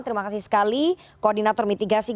terima kasih sekali koordinator mitigasi